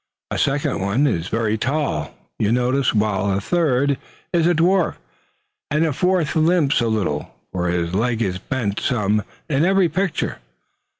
A second is very tall, you notice, while a third is a dwarf, and a fourth limps a little, for his leg is bent some in every picture.